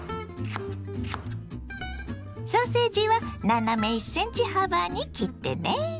ソーセージは斜め１ｃｍ幅に切ってね。